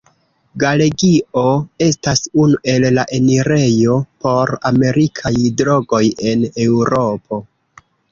Galegio estas unu el la enirejo por amerikaj drogoj en Eŭropo.